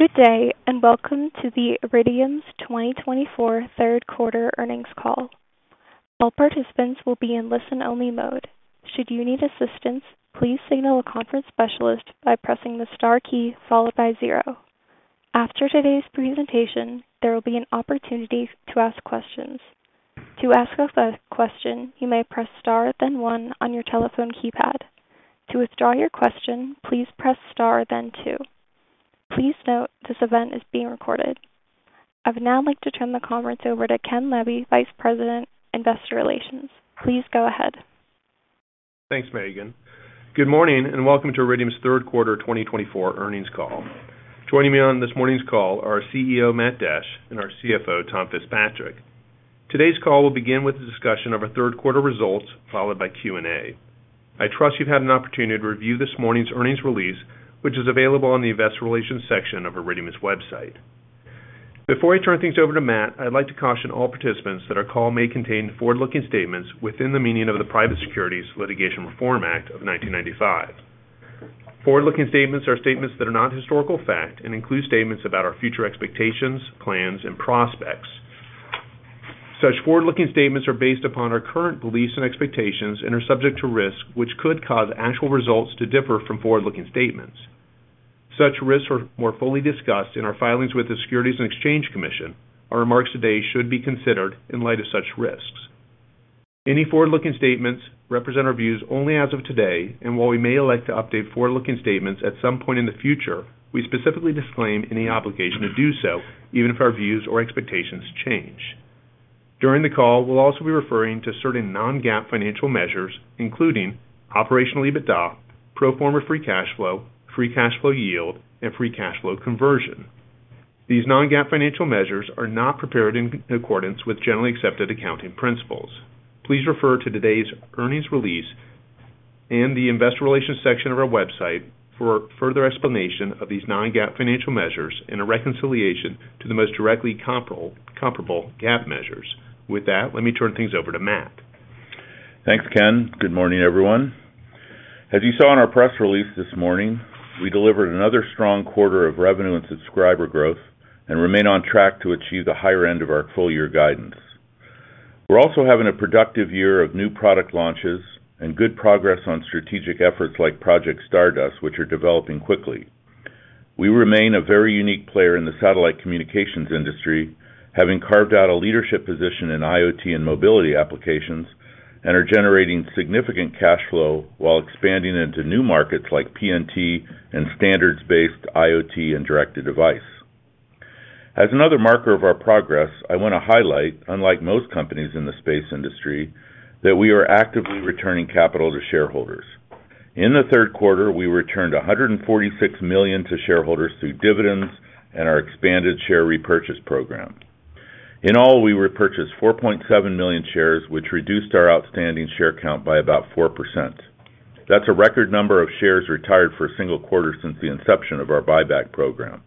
Good day, and welcome to the Iridium's 2024 Third Quarter Earnings Call. All participants will be in listen-only mode. Should you need assistance, please signal a conference specialist by pressing the star key followed by zero. After today's presentation, there will be an opportunity to ask questions. To ask a question, you may press star, then one on your telephone keypad. To withdraw your question, please press star, then two. Please note, this event is being recorded. I would now like to turn the conference over to Ken Levy, Vice President, Investor Relations. Please go ahead. Thanks, Megan. Good morning, and welcome to Iridium's Third Quarter 2024 Earnings Call. Joining me on this morning's call are CEO, Matt Desch, and our CFO, Tom Fitzpatrick. Today's call will begin with a discussion of our third quarter results, followed by Q&A. I trust you've had an opportunity to review this morning's earnings release, which is available on the investor relations section of Iridium's website. Before I turn things over to Matt, I'd like to caution all participants that our call may contain forward-looking statements within the meaning of the Private Securities Litigation Reform Act of 1995. Forward-looking statements are statements that are not historical fact and include statements about our future expectations, plans, and prospects. Such forward-looking statements are based upon our current beliefs and expectations and are subject to risk, which could cause actual results to differ from forward-looking statements. Such risks are more fully discussed in our filings with the Securities and Exchange Commission. Our remarks today should be considered in light of such risks. Any forward-looking statements represent our views only as of today, and while we may elect to update forward-looking statements at some point in the future, we specifically disclaim any obligation to do so, even if our views or expectations change. During the call, we'll also be referring to certain non-GAAP financial measures, including operational EBITDA, pro forma free cash flow, free cash flow yield, and free cash flow conversion. These non-GAAP financial measures are not prepared in accordance with generally accepted accounting principles. Please refer to today's earnings release in the investor relations section of our website for further explanation of these non-GAAP financial measures and a reconciliation to the most directly comparable GAAP measures. With that, let me turn things over to Matt. Thanks, Ken. Good morning, everyone. As you saw in our press release this morning, we delivered another strong quarter of revenue and subscriber growth and remain on track to achieve the higher end of our full-year guidance. We're also having a productive year of new product launches and good progress on strategic efforts like Project Stardust, which are developing quickly. We remain a very unique player in the satellite communications industry, having carved out a leadership position in IoT and mobility applications, and are generating significant cash flow while expanding into new markets like PNT and standards-based IoT and direct-to-device. As another marker of our progress, I want to highlight, unlike most companies in the space industry, that we are actively returning capital to shareholders. In the third quarter, we returned $146 million to shareholders through dividends and our expanded share repurchase program. In all, we repurchased 4.7 million shares, which reduced our outstanding share count by about 4%. That's a record number of shares retired for a single quarter since the inception of our buyback program.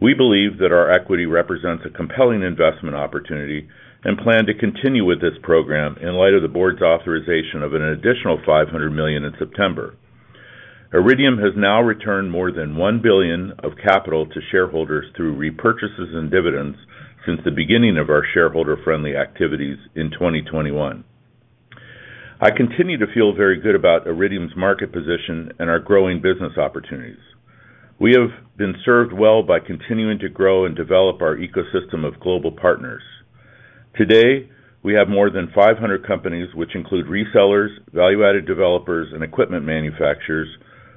We believe that our equity represents a compelling investment opportunity and plan to continue with this program in light of the board's authorization of an additional $500 million in September. Iridium has now returned more than $1 billion of capital to shareholders through repurchases and dividends since the beginning of our shareholder-friendly activities in 2021. I continue to feel very good about Iridium's market position and our growing business opportunities. We have been served well by continuing to grow and develop our ecosystem of global partners. Today, we have more than 500 companies, which include resellers, value-added developers, and equipment manufacturers,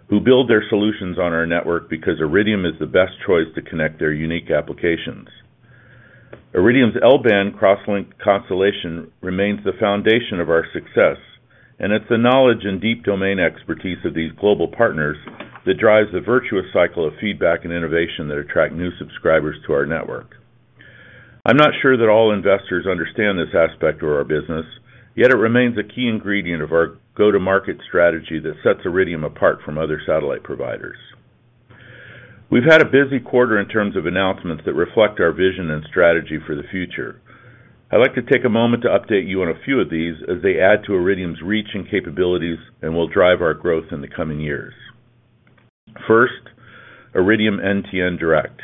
who build their solutions on our network because Iridium is the best choice to connect their unique applications. Iridium's L-band cross-link constellation remains the foundation of our success, and it's the knowledge and deep domain expertise of these global partners that drives the virtuous cycle of feedback and innovation that attract new subscribers to our network. I'm not sure that all investors understand this aspect of our business, yet it remains a key ingredient of our go-to-market strategy that sets Iridium apart from other satellite providers. We've had a busy quarter in terms of announcements that reflect our vision and strategy for the future. I'd like to take a moment to update you on a few of these as they add to Iridium's reach and capabilities and will drive our growth in the coming years. First, Iridium NTN Direct.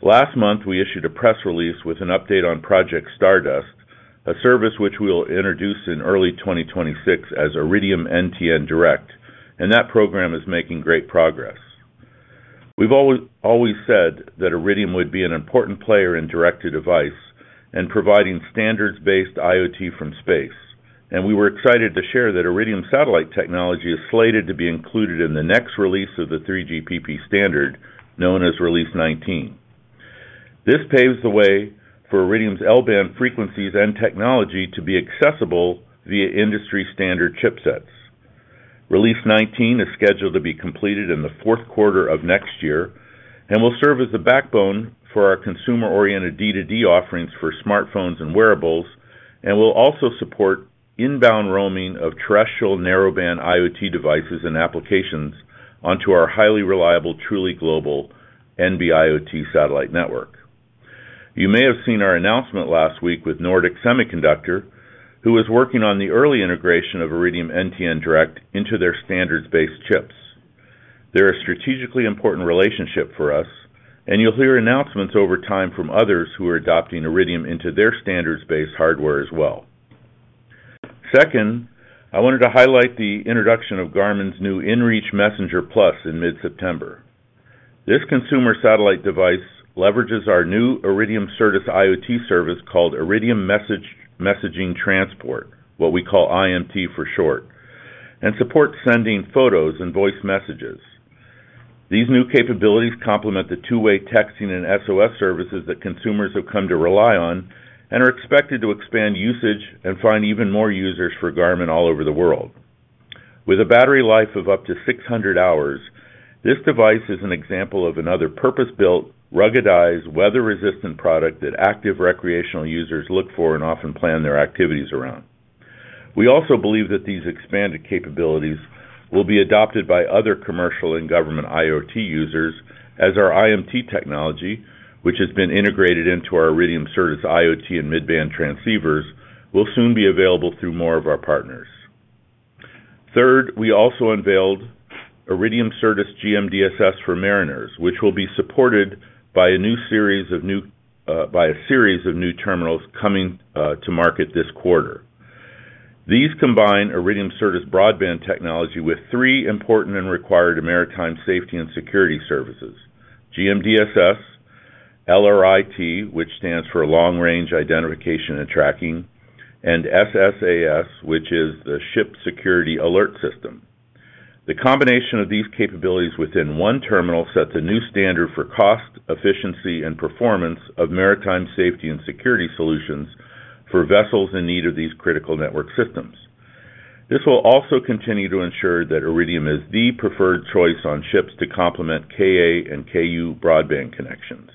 Last month, we issued a press release with an update on Project Stardust, a service which we will introduce in early 2026 as Iridium NTN Direct, and that program is making great progress. We've always, always said that Iridium would be an important player in direct-to-device and providing standards-based IoT from space, and we were excited to share that Iridium satellite technology is slated to be included in the next release of the 3GPP standard, known as Release 19. This paves the way for Iridium's L-band frequencies and technology to be accessible via industry-standard chipsets. Release 19 is scheduled to be completed in the fourth quarter of next year and will serve as the backbone for our consumer-oriented D2D offerings for smartphones and wearables, and will also support inbound roaming of terrestrial narrowband IoT devices and applications onto our highly reliable, truly global NB-IoT satellite network. You may have seen our announcement last week with Nordic Semiconductor, who is working on the early integration of Iridium NTN Direct into their standards-based chips. They're a strategically important relationship for us, and you'll hear announcements over time from others who are adopting Iridium into their standards-based hardware as well. Second, I wanted to highlight the introduction of Garmin's new inReach Messenger Plus in mid-September. This consumer satellite device leverages our new Iridium Certus IoT service, called Iridium Messaging Transport, what we call IMT for short, and supports sending photos and voice messages. These new capabilities complement the two-way texting and SOS services that consumers have come to rely on and are expected to expand usage and find even more users for Garmin all over the world. With a battery life of up to six hundred hours, this device is an example of another purpose-built, ruggedized, weather-resistant product that active recreational users look for and often plan their activities around. We also believe that these expanded capabilities will be adopted by other commercial and government IoT users as our IMT technology, which has been integrated into our Iridium Certus IoT and mid-band transceivers, will soon be available through more of our partners. Third, we also unveiled Iridium Certus GMDSS for mariners, which will be supported by a series of new terminals coming to market this quarter. These combine Iridium Certus broadband technology with three important and required maritime safety and security services: GMDSS, LRIT, which stands for Long-Range Identification and Tracking, and SSAS, which is the Ship Security Alert System. The combination of these capabilities within one terminal sets a new standard for cost, efficiency, and performance of maritime safety and security solutions for vessels in need of these critical network systems. This will also continue to ensure that Iridium is the preferred choice on ships to complement Ka and Ku broadband connections.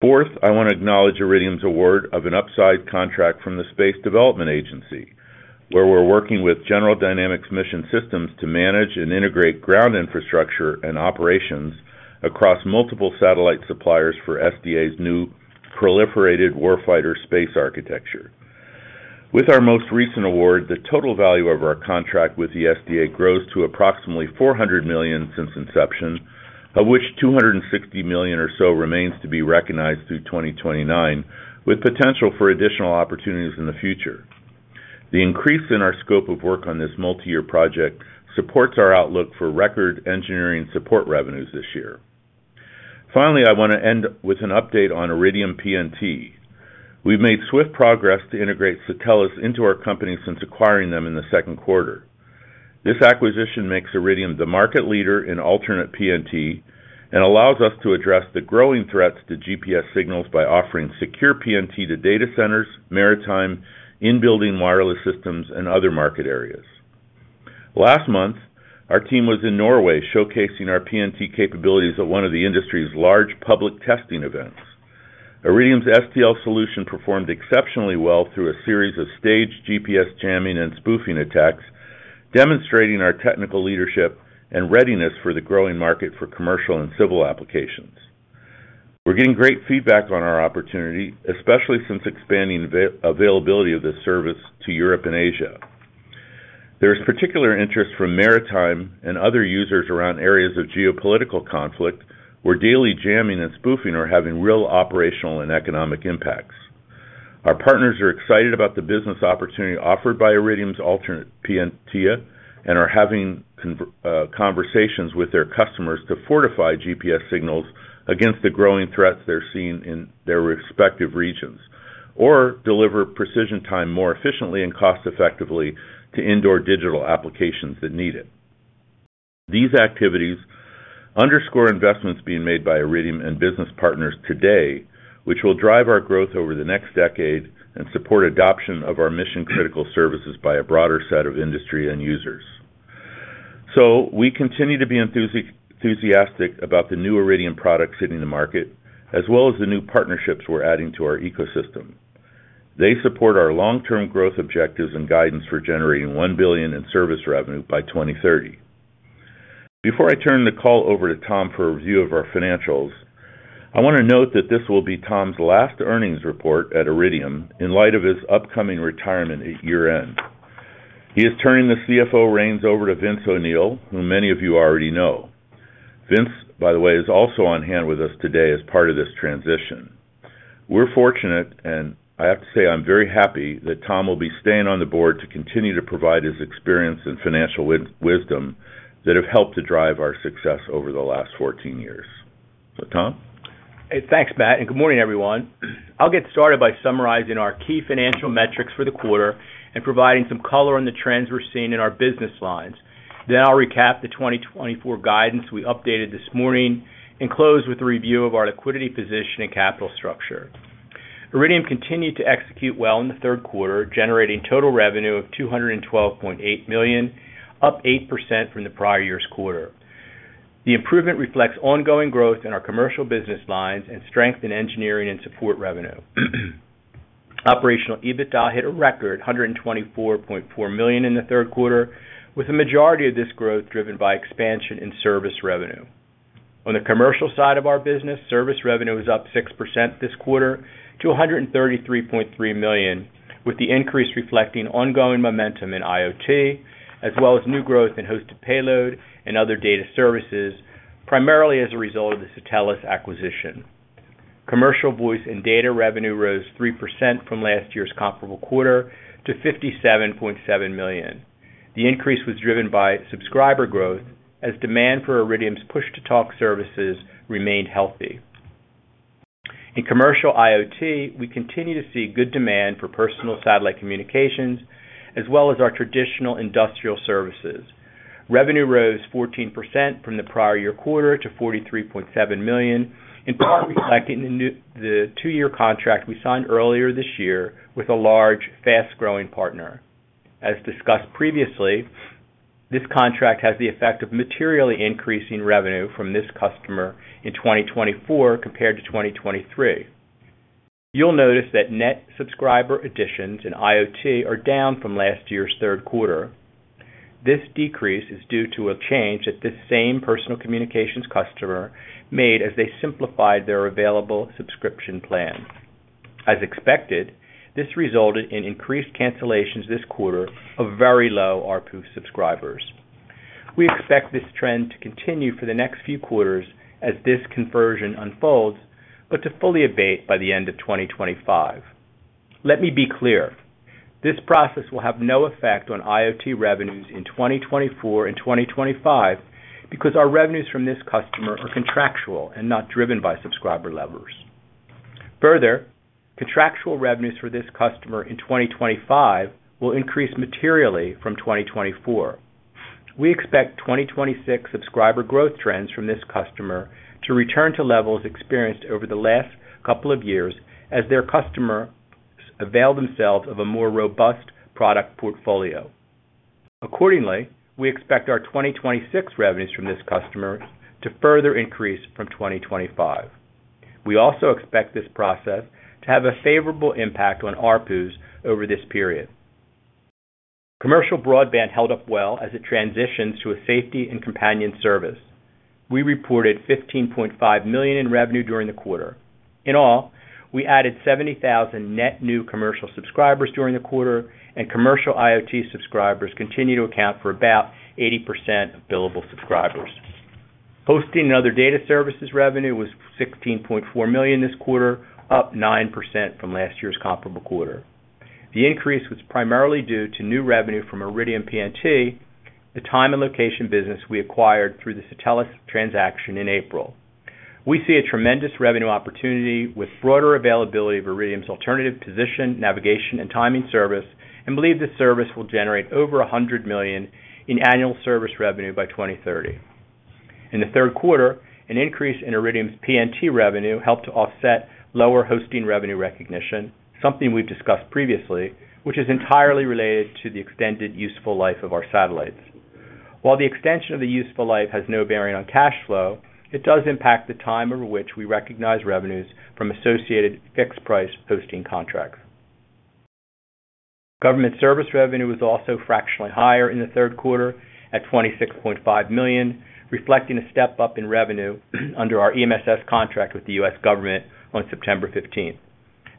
Fourth, I want to acknowledge Iridium's award of an upside contract from the Space Development Agency, where we're working with General Dynamics Mission Systems to manage and integrate ground infrastructure and operations across multiple satellite suppliers for SDA's new Proliferated Warfighter Space Architecture. With our most recent award, the total value of our contract with the SDA grows to approximately $400 million since inception, of which $260 million or so remains to be recognized through 2029, with potential for additional opportunities in the future. The increase in our scope of work on this multiyear project supports our outlook for record engineering support revenues this year. Finally, I want to end with an update on Iridium PNT. We've made swift progress to integrate Satelles into our company since acquiring them in the second quarter. This acquisition makes Iridium the market leader in alternate PNT and allows us to address the growing threats to GPS signals by offering secure PNT to data centers, maritime, in-building wireless systems, and other market areas. Last month, our team was in Norway, showcasing our PNT capabilities at one of the industry's large public testing events. Iridium's STL solution performed exceptionally well through a series of staged GPS jamming and spoofing attacks, demonstrating our technical leadership and readiness for the growing market for commercial and civil applications. We're getting great feedback on our opportunity, especially since expanding availability of this service to Europe and Asia. There is particular interest from maritime and other users around areas of geopolitical conflict, where daily jamming and spoofing are having real operational and economic impacts. Our partners are excited about the business opportunity offered by Iridium's alternate PNT, and are having conversations with their customers to fortify GPS signals against the growing threats they're seeing in their respective regions, or deliver precision time more efficiently and cost effectively to indoor digital applications that need it. These activities underscore investments being made by Iridium and business partners today, which will drive our growth over the next decade and support adoption of our mission-critical services by a broader set of industry end users. So we continue to be enthusiastic about the new Iridium products hitting the market, as well as the new partnerships we're adding to our ecosystem. They support our long-term growth objectives and guidance for generating $1 billion in service revenue by 2030. Before I turn the call over to Tom for a review of our financials, I want to note that this will be Tom's last earnings report at Iridium in light of his upcoming retirement at year-end. He is turning the CFO reins over to Vince O’Neill, whom many of you already know. Vince, by the way, is also on hand with us today as part of this transition. We're fortunate, and I have to say I'm very happy, that Tom will be staying on the board to continue to provide his experience and financial wisdom that have helped to drive our success over the last fourteen years. So, Tom? Hey, thanks, Matt, and good morning, everyone. I'll get started by summarizing our key financial metrics for the quarter and providing some color on the trends we're seeing in our business lines. Then I'll recap the 2024 guidance we updated this morning and close with a review of our liquidity position and capital structure. Iridium continued to execute well in the third quarter, generating total revenue of $212.8 million, up 8% from the prior year's quarter. The improvement reflects ongoing growth in our commercial business lines and strength in engineering and support revenue. Operational EBITDA hit a record $124.4 million in the third quarter, with the majority of this growth driven by expansion in service revenue. On the commercial side of our business, service revenue was up 6% this quarter to $133.3 million, with the increase reflecting ongoing momentum in IoT, as well as new growth in hosted payload and other data services, primarily as a result of the Satelles acquisition. Commercial voice and data revenue rose 3% from last year's comparable quarter to $57.7 million. The increase was driven by subscriber growth, as demand for Iridium's push-to-talk services remained healthy. In commercial IoT, we continue to see good demand for personal satellite communications, as well as our traditional industrial services. Revenue rose 14% from the prior year quarter to $43.7 million, in part reflecting the two-year contract we signed earlier this year with a large, fast-growing partner. As discussed previously, this contract has the effect of materially increasing revenue from this customer in 2024 compared to 2023. You'll notice that net subscriber additions in IoT are down from last year's third quarter. This decrease is due to a change that this same personal communications customer made as they simplified their available subscription plan. As expected, this resulted in increased cancellations this quarter of very low ARPU subscribers. We expect this trend to continue for the next few quarters as this conversion unfolds, but to fully abate by the end of 2025. Let me be clear, this process will have no effect on IoT revenues in 2024 and 2025, because our revenues from this customer are contractual and not driven by subscriber levers. Further, contractual revenues for this customer in 2025 will increase materially from 2024. We expect 2026 subscriber growth trends from this customer to return to levels experienced over the last couple of years as their customer avail themselves of a more robust product portfolio. Accordingly, we expect our 2026 revenues from this customer to further increase from 2025. We also expect this process to have a favorable impact on ARPUs over this period. Commercial broadband held up well as it transitions to a safety and companion service. We reported $15.5 million in revenue during the quarter. In all, we added 70,000 net new commercial subscribers during the quarter, and commercial IoT subscribers continue to account for about 80% of billable subscribers. Hosting and other data services revenue was $16.4 million this quarter, up 9% from last year's comparable quarter. The increase was primarily due to new revenue from Iridium PNT, the time and location business we acquired through the Satelles transaction in April. We see a tremendous revenue opportunity with broader availability of Iridium's alternative position, navigation, and timing service, and believe this service will generate over $100 million in annual service revenue by 2030. In the third quarter, an increase in Iridium's PNT revenue helped to offset lower hosting revenue recognition, something we've discussed previously, which is entirely related to the extended useful life of our satellites. While the extension of the useful life has no bearing on cash flow, it does impact the time over which we recognize revenues from associated fixed-price hosting contracts. Government service revenue was also fractionally higher in the third quarter at $26.5 million, reflecting a step-up in revenue under our EMSS contract with the U.S. government on September 15th.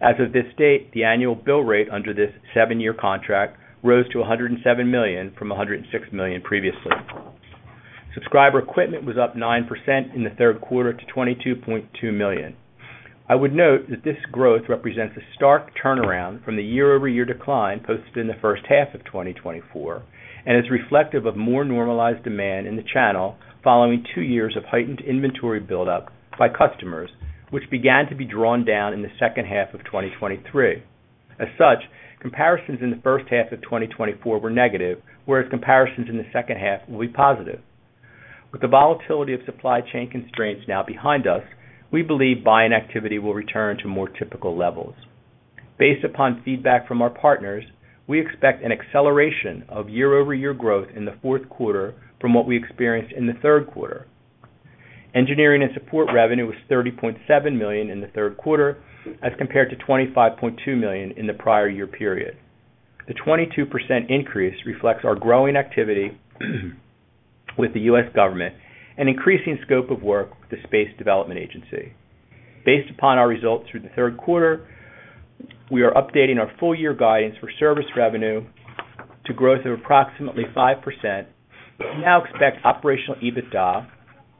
As of this date, the annual bill rate under this seven-year contract rose to $107 million from $106 million previously. Subscriber equipment was up 9% in the third quarter to $22.2 million. I would note that this growth represents a stark turnaround from the year-over-year decline posted in the first half of 2024, and is reflective of more normalized demand in the channel following two years of heightened inventory buildup by customers, which began to be drawn down in the second half of 2023. As such, comparisons in the first half of 2024 were negative, whereas comparisons in the second half will be positive. With the volatility of supply chain constraints now behind us, we believe buying activity will return to more typical levels. Based upon feedback from our partners, we expect an acceleration of year-over-year growth in the fourth quarter from what we experienced in the third quarter. Engineering and support revenue was $30.7 million in the third quarter, as compared to $25.2 million in the prior year period. The 22% increase reflects our growing activity with the U.S. government, an increasing scope of work with the Space Development Agency. Based upon our results through the third quarter, we are updating our full year guidance for service revenue to growth of approximately 5%. We now expect operational EBITDA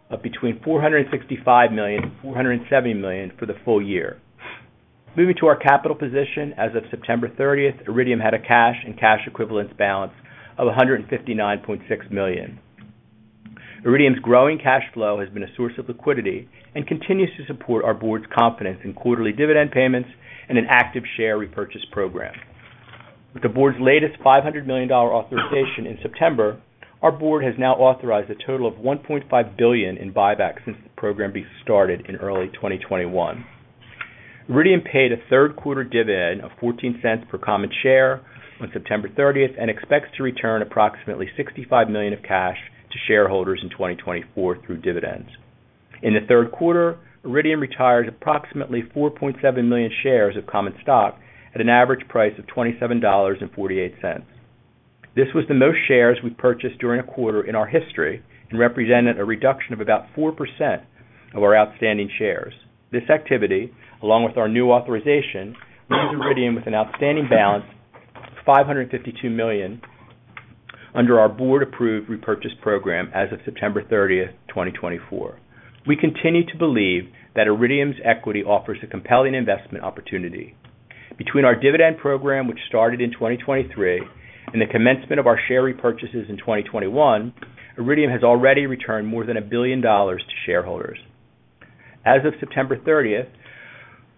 of between $465 million and $470 million for the full year. Moving to our capital position. As of September thirtieth, Iridium had a cash and cash equivalents balance of $159.6 million. Iridium's growing cash flow has been a source of liquidity and continues to support our board's confidence in quarterly dividend payments and an active share repurchase program. With the board's latest $500 million authorization in September, our board has now authorized a total of $1.5 billion in buybacks since the program was started in early 2021. Iridium paid a third quarter dividend of $0.14 per common share on September thirtieth, and expects to return approximately $65 million of cash to shareholders in 2024 through dividends. In the third quarter, Iridium retired approximately 4.7 million shares of common stock at an average price of $27.48. This was the most shares we purchased during a quarter in our history and represented a reduction of about 4% of our outstanding shares. This activity, along with our new authorization, leaves Iridium with an outstanding balance of $552 million under our board-approved repurchase program as of September thirtieth, 2024. We continue to believe that Iridium's equity offers a compelling investment opportunity. Between our dividend program, which started in 2023, and the commencement of our share repurchases in 2021, Iridium has already returned more than $1 billion to shareholders. As of September thirtieth,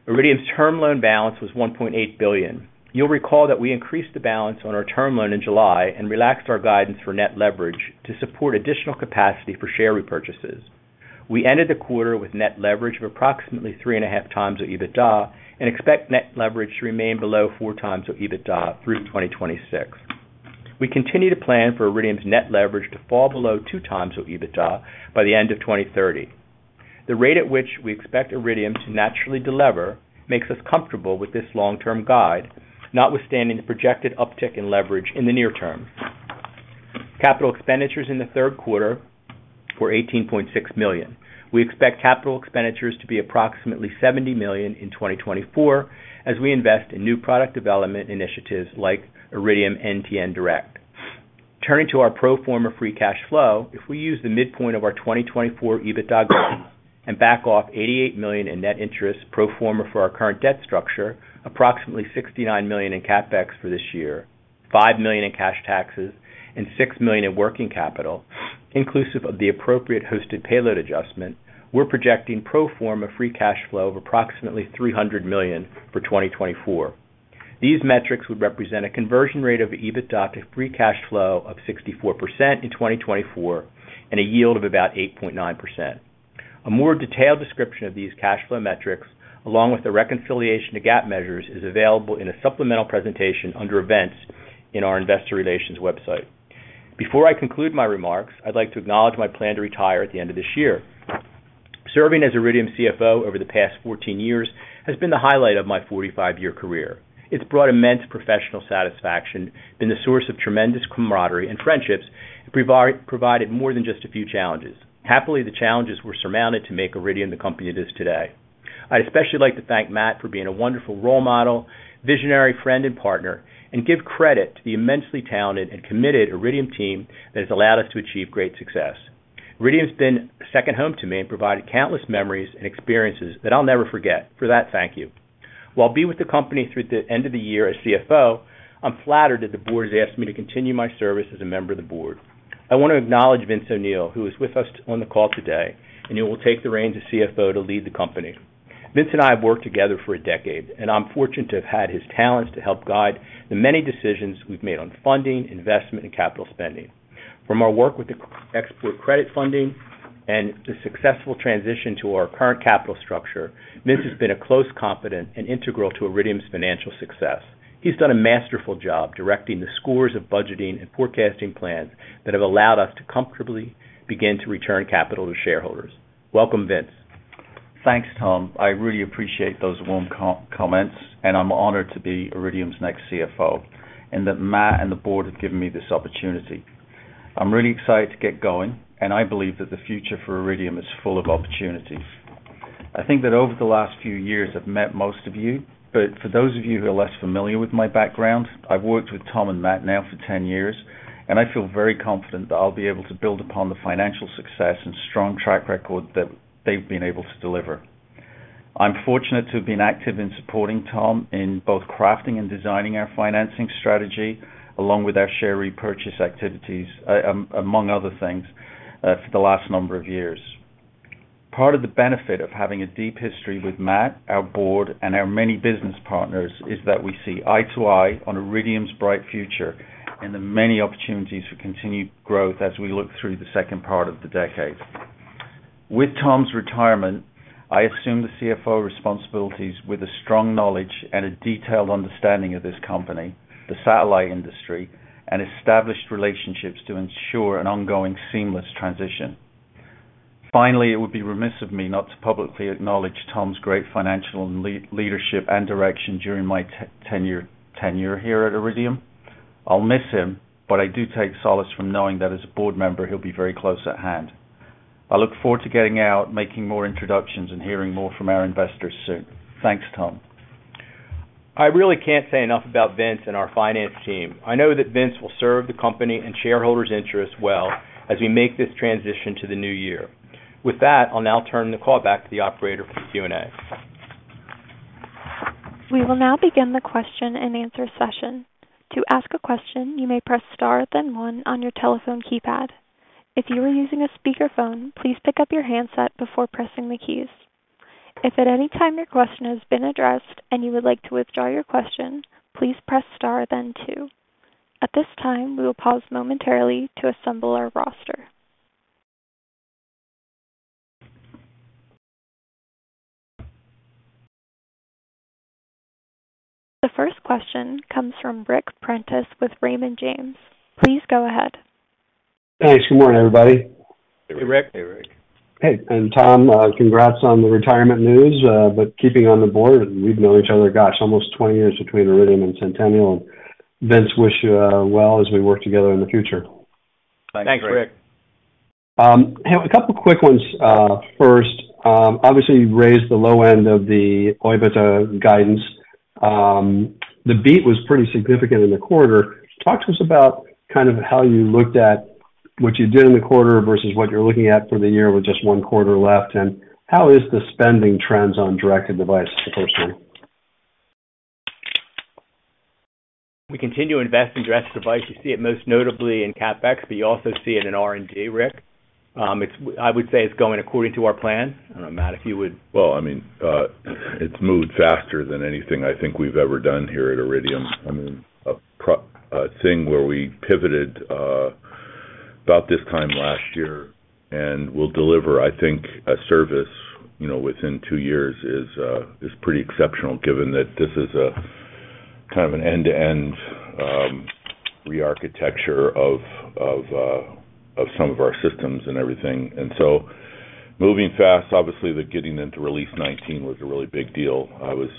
Iridium's term loan balance was $1.8 billion. You'll recall that we increased the balance on our term loan in July and relaxed our guidance for net leverage to support additional capacity for share repurchases. We ended the quarter with net leverage of approximately three and a half times of EBITDA, and expect net leverage to remain below four times of EBITDA through 2026. We continue to plan for Iridium's net leverage to fall below two times of EBITDA by the end of 2030. The rate at which we expect Iridium to naturally delever makes us comfortable with this long-term guide, notwithstanding the projected uptick in leverage in the near term. Capital expenditures in the third quarter were $18.6 million. We expect capital expenditures to be approximately $70 million in 2024, as we invest in new product development initiatives like Iridium NTN Direct. Turning to our pro forma free cash flow, if we use the midpoint of our 2024 EBITDA goal and back off $88 million in net interest pro forma for our current debt structure, approximately $69 million in CapEx for this year, $5 million in cash taxes, and $6 million in working capital, inclusive of the appropriate hosted payload adjustment, we're projecting pro forma free cash flow of approximately $300 million for 2024. These metrics would represent a conversion rate of EBITDA to free cash flow of 64% in 2024, and a yield of about 8.9%. A more detailed description of these cash flow metrics, along with the reconciliation to GAAP measures, is available in a supplemental presentation under Events in our Investor Relations website. Before I conclude my remarks, I'd like to acknowledge my plan to retire at the end of this year. Serving as Iridium CFO over the past fourteen years has been the highlight of my forty-five-year career. It's brought immense professional satisfaction, been the source of tremendous camaraderie and friendships, it provided more than just a few challenges. Happily, the challenges were surmounted to make Iridium the company it is today. I'd especially like to thank Matt for being a wonderful role model, visionary friend, and partner, and give credit to the immensely talented and committed Iridium team that has allowed us to achieve great success. Iridium's been a second home to me and provided countless memories and experiences that I'll never forget. For that, thank you. While I'll be with the company through the end of the year as CFO, I'm flattered that the board has asked me to continue my service as a member of the board. I want to acknowledge Vince O'Neill, who is with us on the call today, and he will take the reins as CFO to lead the company. Vince and I have worked together for a decade, and I'm fortunate to have had his talents to help guide the many decisions we've made on funding, investment, and capital spending. From our work with the export credit funding and the successful transition to our current capital structure, Vince has been a close confidant and integral to Iridium's financial success. He's done a masterful job directing the scores of budgeting and forecasting plans that have allowed us to comfortably begin to return capital to shareholders. Welcome, Vince. Thanks, Tom. I really appreciate those warm comments, and I'm honored to be Iridium's next CFO, and that Matt and the board have given me this opportunity. I'm really excited to get going, and I believe that the future for Iridium is full of opportunities. I think that over the last few years, I've met most of you, but for those of you who are less familiar with my background, I've worked with Tom and Matt now for 10 years, and I feel very confident that I'll be able to build upon the financial success and strong track record that they've been able to deliver. I'm fortunate to have been active in supporting Tom in both crafting and designing our financing strategy, along with our share repurchase activities, among other things, for the last number of years. Part of the benefit of having a deep history with Matt, our board, and our many business partners is that we see eye to eye on Iridium's bright future and the many opportunities for continued growth as we look through the second part of the decade. With Tom's retirement, I assume the CFO responsibilities with a strong knowledge and a detailed understanding of this company, the satellite industry, and established relationships to ensure an ongoing seamless transition. Finally, it would be remiss of me not to publicly acknowledge Tom's great financial leadership and direction during my tenure here at Iridium. I'll miss him, but I do take solace from knowing that as a board member, he'll be very close at hand. I look forward to getting out, making more introductions, and hearing more from our investors soon. Thanks, Tom. I really can't say enough about Vince and our finance team. I know that Vince will serve the company and shareholders' interests well as we make this transition to the new year. With that, I'll now turn the call back to the operator for the Q&A. We will now begin the question-and-answer session. To ask a question, you may press star, then one on your telephone keypad. If you are using a speakerphone, please pick up your handset before pressing the keys. If at any time your question has been addressed and you would like to withdraw your question, please press star, then two. At this time, we will pause momentarily to assemble our roster. The first question comes from Rick Prentiss with Raymond James. Please go ahead. Thanks. Good morning, everybody. Hey, Rick. Hey, Rick. Hey, and Tom, congrats on the retirement news, but keeping on the board, we've known each other, gosh, almost 20 years between Iridium and Centennial, and Vince, wish you well, as we work together in the future. Thanks, Rick. Thanks, Rick. A couple of quick ones. First, obviously, you've raised the low end of the EBITDA guidance. The beat was pretty significant in the quarter. Talk to us about kind of how you looked at what you did in the quarter versus what you're looking at for the year with just one quarter left, and how is the spending trends on direct-to-device, personally? We continue to invest in direct-to-device. You see it most notably in CapEx, but you also see it in R&D, Rick. It's going according to our plan. I don't know, Matt, if you would... I mean, it's moved faster than anything I think we've ever done here at Iridium. I mean, a thing where we pivoted about this time last year, and we'll deliver, I think, a service, you know, within two years is pretty exceptional, given that this is a kind of an end-to-end rearchitecture of some of our systems and everything. So moving fast, obviously, the getting into Release 19 was a really big deal. I was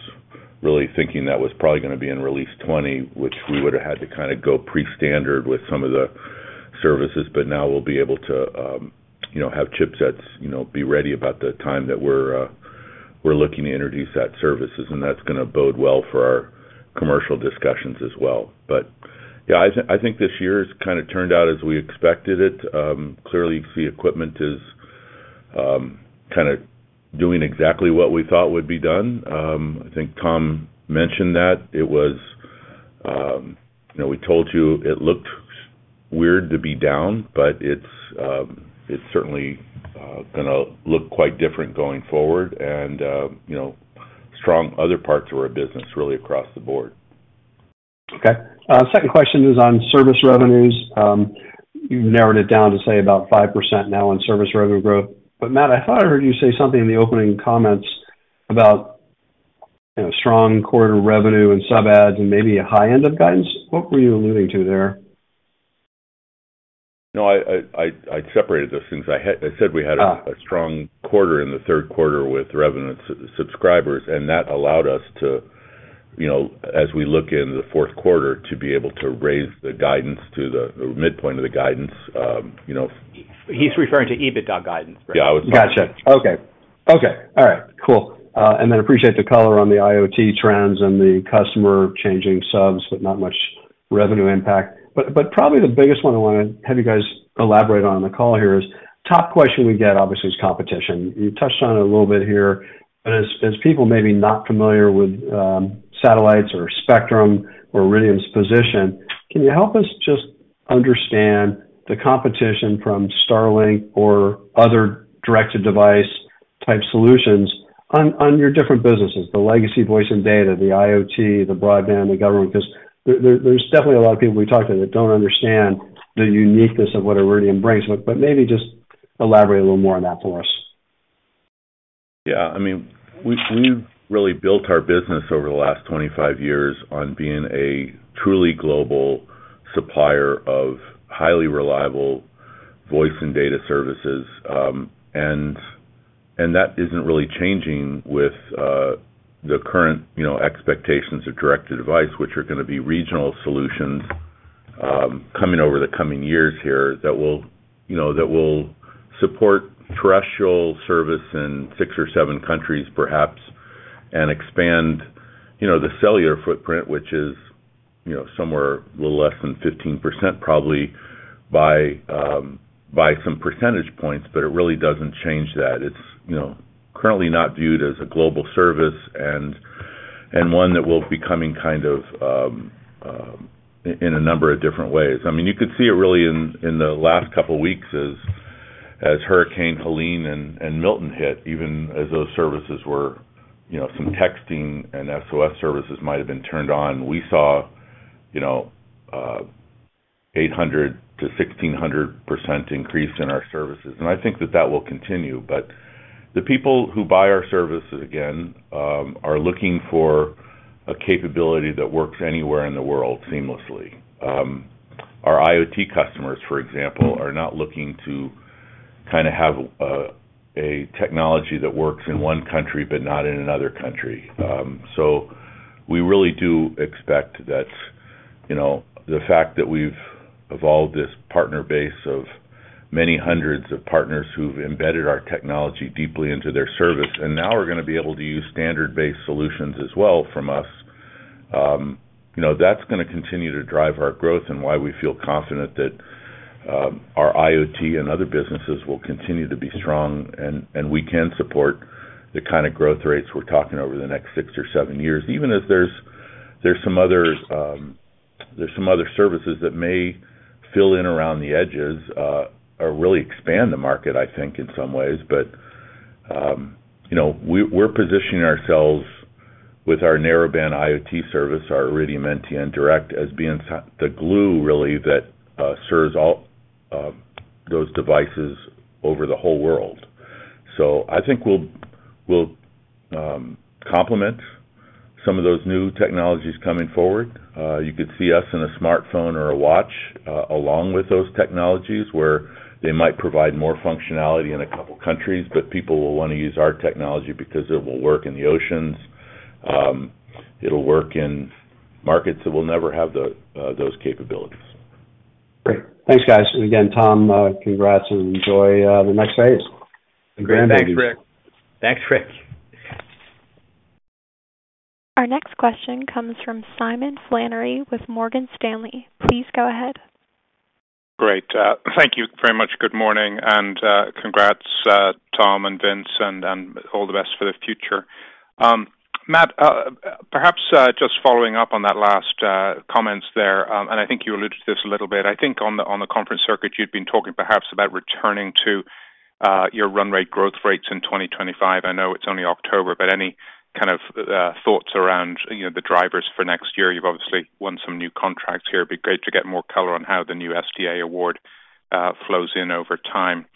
really thinking that was probably gonna be in Release 20, which we would have had to go prestandard with some of the services, but now we'll be able to, you know, have chipsets, you know, be ready about the time that we're looking to introduce that services, and that's gonna bode well for our commercial discussions as well. But yeah, I think this year has kind of turned out as we expected it. Clearly, the equipment is kind of doing exactly what we thought would be done. I think Tom mentioned that it was, you know, we told you it looked weird to be down, but it's certainly gonna look quite different going forward and, you know, strong other parts of our business, really across the board. Okay. Second question is on service revenues. You've narrowed it down to, say, about 5% now on service revenue growth. But, Matt, I thought I heard you say something in the opening comments about, you know, strong quarter revenue and sub adds and maybe a high end of guidance. What were you alluding to there? No, I separated those things. I had-- I said we had- Ah. -a strong quarter in the third quarter with revenue subscribers, and that allowed us to, you know, as we look into the fourth quarter, to be able to raise the guidance to the midpoint of the guidance, you know- He's referring to EBITDA guidance, Rick. Yeah, I was- Got you. Okay. Okay, all right, cool. And then appreciate the color on the IoT trends and the customer changing subs, but not much revenue impact. But probably the biggest one I want to have you guys elaborate on the call here is, top question we get, obviously, is competition. You touched on it a little bit here, but as people maybe not familiar with satellites or spectrum or Iridium's position, can you help us just understand the competition from Starlink or other direct-to-device-type solutions on your different businesses, the legacy voice and data, the IoT, the broadband, the government? Because there, there's definitely a lot of people we talk to that don't understand the uniqueness of what Iridium brings, but maybe just elaborate a little more on that for us. Yeah, I mean, we've really built our business over the last 25 years on being a truly global supplier of highly reliable voice and data services, and that isn't really changing with the current, you know, expectations of direct-to-device, which are gonna be regional solutions, coming over the coming years here, that will, you know, that will support terrestrial service in six or seven countries, perhaps, and expand, you know, the cellular footprint, which is, you know, somewhere a little less than 15%, probably by some percentage points, but it really doesn't change that. It's, you know, currently not viewed as a global service and one that will be coming kind of in a number of different ways. I mean, you could see it really in the last couple of weeks as Hurricane Helene and Milton hit, even as those services were, you know, some texting and SOS services might have been turned on. We saw, you know, an 800-1,600% increase in our services, and I think that will continue. But the people who buy our services again are looking for a capability that works anywhere in the world seamlessly. Our IoT customers, for example, are not looking to kinda have a technology that works in one country but not in another country. So we really do expect that, you know, the fact that we've evolved this partner base of many hundreds of partners who've embedded our technology deeply into their service, and now we're gonna be able to use standards-based solutions as well from us. You know, that's gonna continue to drive our growth and why we feel confident that our IoT and other businesses will continue to be strong, and we can support the kind of growth rates we're talking over the next six or seven years, even if there's some other services that may fill in around the edges, or really expand the market, I think, in some ways. But you know, we are positioning ourselves with our Narrowband IoT service, our Iridium NTN Direct, as being the glue, really, that serves all those devices over the whole world. So I think we'll complement some of those new technologies coming forward. You could see us in a smartphone or a watch, along with those technologies, where they might provide more functionality in a couple countries, but people will wanna use our technology because it will work in the oceans, it'll work in markets that will never have those capabilities. Great. Thanks, guys. And again, Tom, congrats, and enjoy the next phase. Great. Thanks, Rick. Thanks, Rick. Our next question comes from Simon Flannery with Morgan Stanley. Please go ahead. Great. Thank you very much. Good morning, and congrats, Tom and Vince, and all the best for the future. Matt, perhaps just following up on that last comments there, and I think you alluded to this a little bit. I think on the conference circuit, you've been talking perhaps about returning to your run rate growth rates in 2025. I know it's only October, but any kind of thoughts around, you know, the drivers for next year? You've obviously won some new contracts here. It'd be great to get more color on how the new SDA award flows in over time.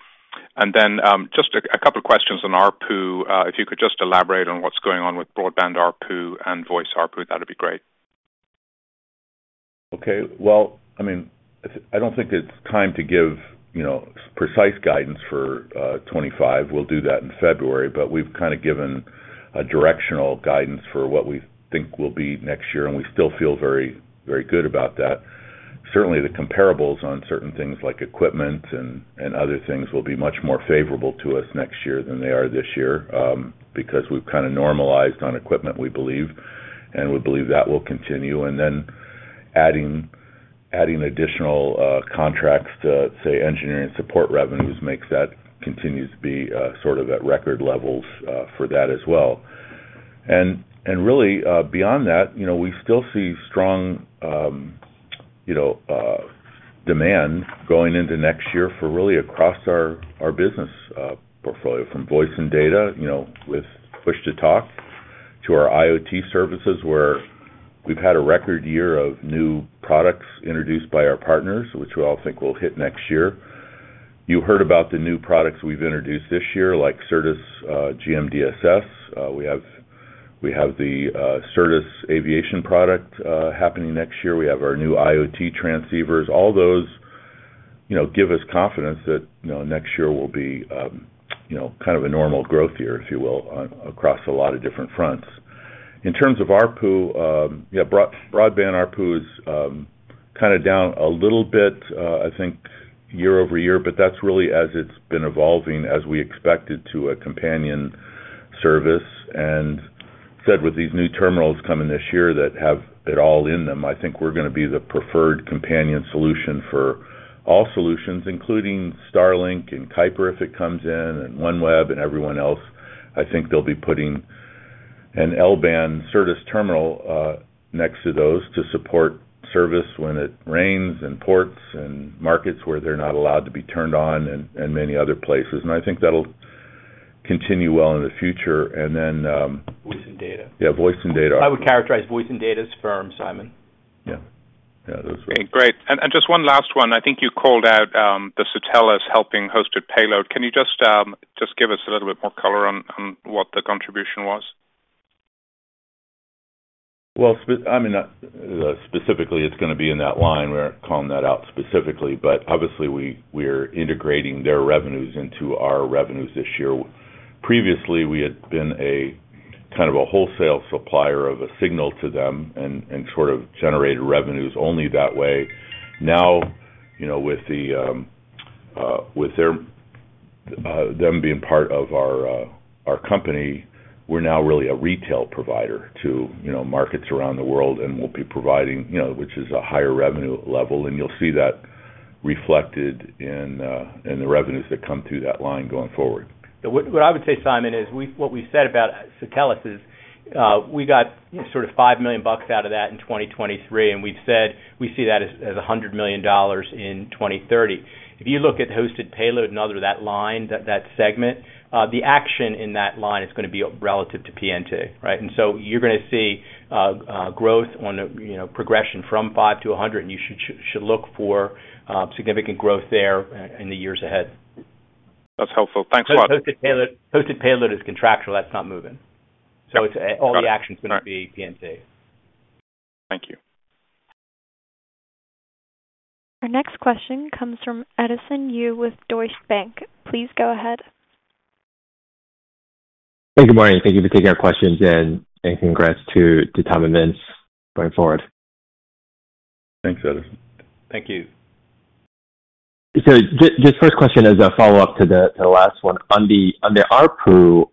And then just a couple questions on ARPU. If you could just elaborate on what's going on with broadband ARPU and voice ARPU, that'd be great. Okay. I mean, I don't think it's time to give, you know, precise guidance for 2025. We'll do that in February, but we've kinda given a directional guidance for what we think will be next year, and we still feel very, very good about that. Certainly, the comparables on certain things like equipment and other things will be much more favorable to us next year than they are this year, because we've kinda normalized on equipment, we believe, and we believe that will continue. And then adding additional contracts to, say, engineering and support revenues makes that continues to be sort of at record levels for that as well. And really, beyond that, you know, we still see strong, you know, demand going into next year for really across our business portfolio, from voice and data, you know, with push to talk, to our IoT services, where we've had a record year of new products introduced by our partners, which we all think will hit next year. You heard about the new products we've introduced this year, like Certus GMDSS. We have the Certus aviation product happening next year. We have our new IoT transceivers. All those, you know, give us confidence that, you know, next year will be, you know, kind of a normal growth year, if you will, on across a lot of different fronts. In terms of ARPU, yeah, broadband ARPU is, kinda down a little bit, I think, year-over-year, but that's really as it's been evolving as we expected to a companion service. And said, with these new terminals coming this year that have it all in them, I think we're gonna be the preferred companion solution for all solutions, including Starlink and Kuiper, if it comes in, and OneWeb and everyone else. I think they'll be putting an L-band Certus terminal, next to those to support service when it rains in ports and markets where they're not allowed to be turned on and, and many other places. And I think that'll continue well in the future. And then, Voice and data. Yeah, voice and data. I would characterize voice and data as firm, Simon. Yeah. Yeah, that's right. Great. And just one last one. I think you called out the Satelles hosted payload. Can you just give us a little bit more color on what the contribution was? I mean, specifically, it's gonna be in that line. We're calling that out specifically, but obviously, we, we're integrating their revenues into our revenues this year. Previously, we had been a kind of a wholesale supplier of a signal to them and sort of generated revenues only that way. Now, you know, with their them being part of our company, we're now really a retail provider to, you know, markets around the world, and we'll be providing, you know, which is a higher revenue level, and you'll see that reflected in the revenues that come through that line going forward. What I would say, Simon, is what we said about Satelles is we got sort of $5 million out of that in 2023, and we've said we see that as $100 million in 2030. If you look at hosted payload and other that line, that segment, the action in that line is gonna be relative to PNT, right? And so you're gonna see growth on a, you know, progression from five to a hundred, and you should look for significant growth there in the years ahead. That's helpful. Thanks a lot. Hosted payload, hosted payload is contractual. That's not moving. Got it. All the action is gonna be PNT. Thank you. Our next question comes from Edison Yu with Deutsche Bank. Please go ahead. Hey, good morning. Thank you for taking our questions, and congrats to Tom and Vince going forward. Thanks, Edison. Thank you. Just first question, as a follow-up to the last one. On the ARPU,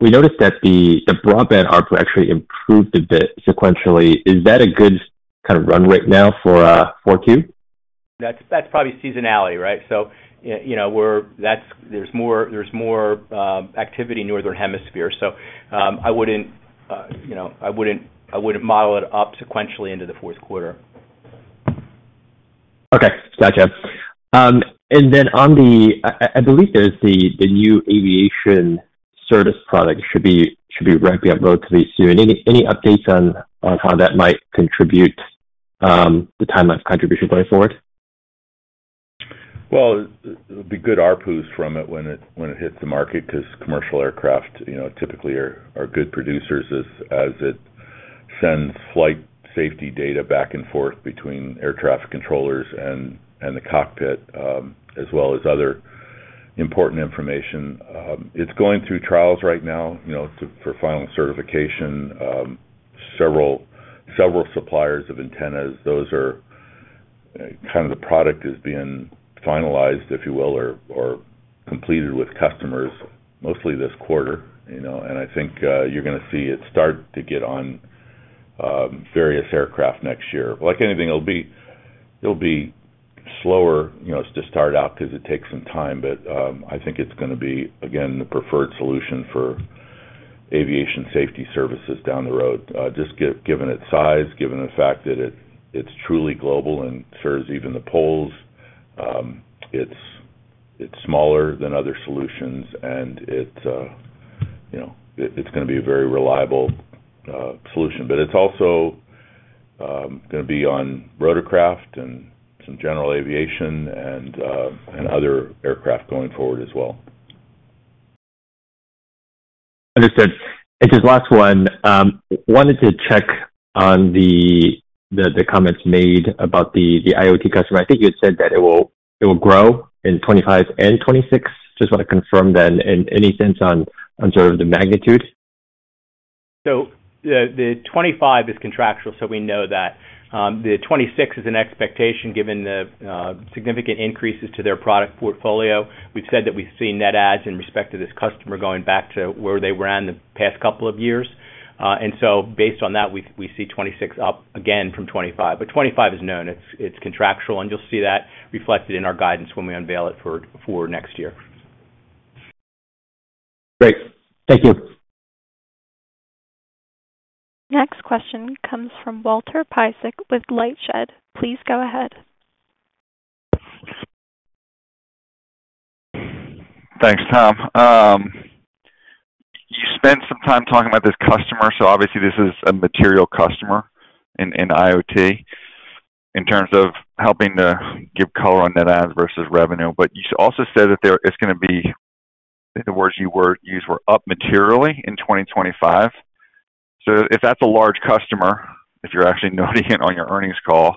we noticed that the broadband ARPU actually improved a bit sequentially. Is that a good kind of run rate now for four Q? That's, that's probably seasonality, right? So you know, we're -- that's-- there's more activity in Northern Hemisphere. So, I wouldn't, you know, I wouldn't model it up sequentially into the fourth quarter. Okay, gotcha. And then on the... I believe there's the new aviation service product should be ramping up relatively soon. Any updates on how that might contribute, the timeline of contribution going forward? It'll be good ARPUs from it when it hits the market, because commercial aircraft, you know, typically are good producers as it sends flight safety data back and forth between air traffic controllers and the cockpit, as well as other important information. It's going through trials right now, you know, for final certification. Several suppliers of antennas, those are kind of the product is being finalized, if you will, or completed with customers mostly this quarter, you know. And I think you're gonna see it start to get on various aircraft next year. Like anything, it'll be slower, you know, to start out because it takes some time, but I think it's gonna be, again, the preferred solution for aviation safety services down the road. Given its size, given the fact that it, it's truly global and serves even the poles, it's smaller than other solutions, and it's, you know, it's gonna be a very reliable solution. But it's also gonna be on rotorcraft and some general aviation and other aircraft going forward as well. Understood. And just last one, wanted to check on the comments made about the IoT customer. I think you had said that it will grow in 2025 and 2026. Just want to confirm then, and any sense on sort of the magnitude? So the 2025 is contractual, so we know that. The 2026 is an expectation given the significant increases to their product portfolio. We've said that we've seen net adds in respect to this customer going back to where they were in the past couple of years. And so based on that, we see 2026 up again from 2025. But 2025 is known, it's contractual, and you'll see that reflected in our guidance when we unveil it for next year. Great. Thank you. Next question comes from Walter Piecyk with LightShed. Please go ahead. Thanks, Tom. You spent some time talking about this customer, so obviously this is a material customer in IoT in terms of helping to give color on net adds versus revenue, but you also said that there, it's gonna be, the words you were used were up materially in 2025. So if that's a large customer, if you're actually noting it on your earnings call,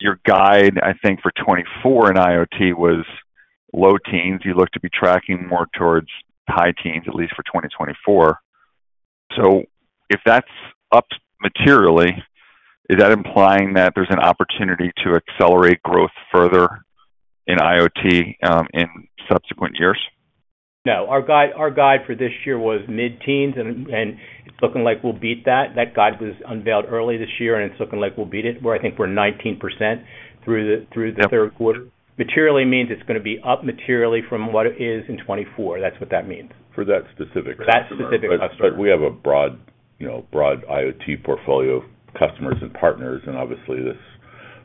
your guide, I think, for 2024 in IoT was low teens. You look to be tracking more towards high teens, at least for 2024. So if that's up materially, is that implying that there's an opportunity to accelerate growth further in IoT in subsequent years? No. Our guide for this year was mid-teens, and it's looking like we'll beat that. That guide was unveiled early this year, and it's looking like we'll beat it, where I think we're 19% through the third quarter. Materially means it's gonna be up materially from what it is in 2024. That's what that means. For that specific customer. That specific customer. But we have a broad, you know, broad IoT portfolio of customers and partners, and obviously, this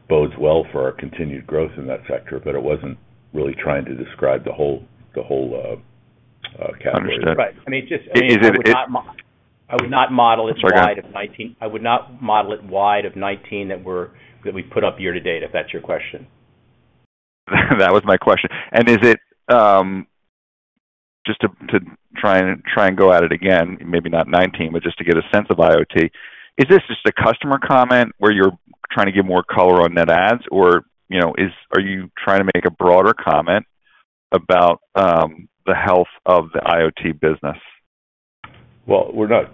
bodes well for our continued growth in that sector, but it wasn't really trying to describe the whole category. Understood. Right. I mean, just- Is it- I would not model it wide of 19 that we put up year to date, if that's your question. That was my question. And is it just to try and go at it again, maybe not 19, but just to get a sense of IoT, is this just a customer comment where you're trying to give more color on net adds? Or, you know, are you trying to make a broader comment about the health of the IoT business? Well, we're not.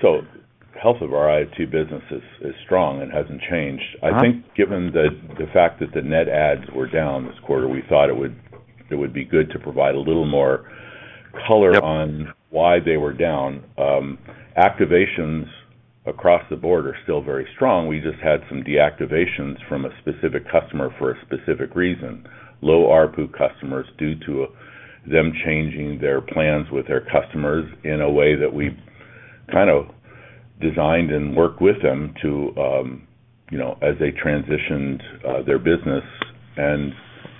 So health of our IoT business is strong and hasn't changed. Uh-huh. I think given the fact that the net adds were down this quarter, we thought it would be good to provide a little more color on why they were down. Activations across the board are still very strong. We just had some deactivations from a specific customer for a specific reason. Low ARPU customers, due to them changing their plans with their customers in a way that we've kind of designed and worked with them to, you know, as they transitioned, their business. And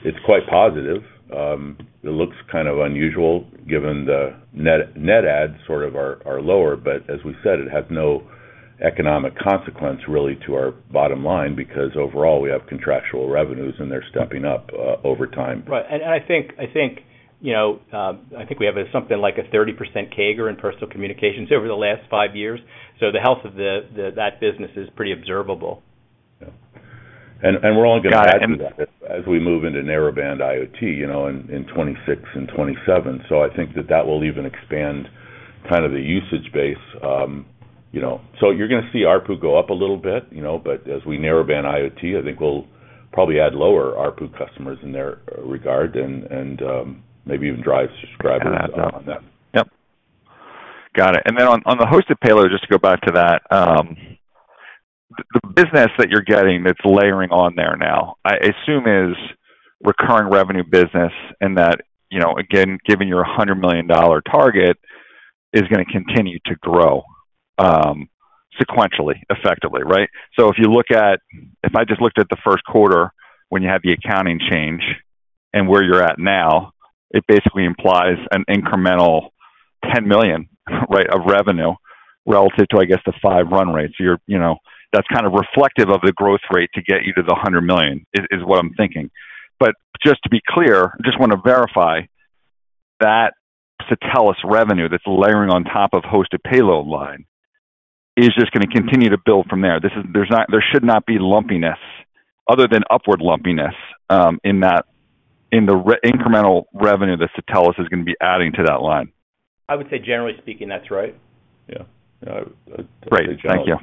it's quite positive. It looks kind of unusual, given the net, net adds sort of are lower, but as we said, it has no economic consequence, really, to our bottom line, because overall, we have contractual revenues, and they're stepping up over time. Right. And I think, you know, I think we have something like a 30% CAGR in personal communications over the last five years. So the health of that business is pretty observable. Yeah. And we're only gonna add to that as we move into narrowband IoT, you know, in 2026 and 2027. So I think that will even expand kind of the usage base. You know, so you're gonna see ARPU go up a little bit, you know, but as we narrowband IoT, I think we'll probably add lower ARPU customers in that regard and maybe even drive subscribers on them. Yep. Got it. And then on, on the hosted payload, just to go back to that, the business that you're getting that's layering on there now, I assume is recurring revenue business and that, you know, again, giving you a $100 million target, is gonna continue to grow, sequentially, effectively, right? So if I just looked at the first quarter, when you had the accounting change and where you're at now, it basically implies an incremental ten million, right, of revenue relative to, I guess, the $5 million run rate. So you're, you know, that's kind of reflective of the growth rate to get you to the $100 million, is, is what I'm thinking. But just to be clear, just wanna verify, that Satelles revenue that's layering on top of hosted payload line, is just gonna continue to build from there. There should not be lumpiness, other than upward lumpiness, in that, in the incremental revenue that Satelles is gonna be adding to that line. I would say, generally speaking, that's right. Yeah. Great. Thank you.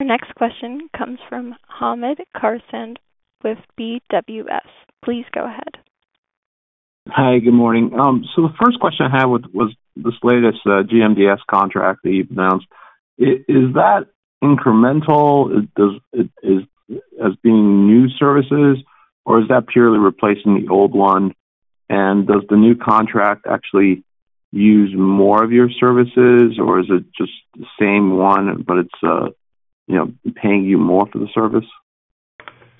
Our next question comes from Hamed Khorsand with BWS. Please go ahead. Hi, good morning. So the first question I had was this latest GMDSS contract that you've announced. Is that incremental? Is it as being new services, or is that purely replacing the old one? And does the new contract actually use more of your services, or is it just the same one, but it's you know, paying you more for the service?